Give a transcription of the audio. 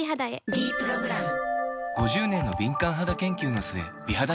「ｄプログラム」